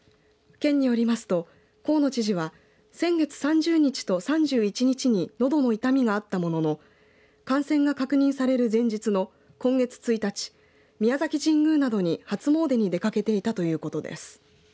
県によりますと河野知事は先月３０日と３１日にのどの痛みがあったものの感染が確認される前日の今月１日宮崎神宮などに初詣に出かけていたということです。